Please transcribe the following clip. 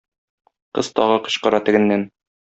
Кыз тагы кычкыра тегеннән.